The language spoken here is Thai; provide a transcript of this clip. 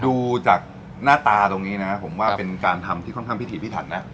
ดูจากหน้าตาตรงนี้นะผมว่าเป็นการทำที่ค่อนข้างพิถีพิถันนะ